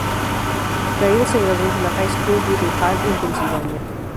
Caídas se graduó de la High School Whitehall en Pennsylvania.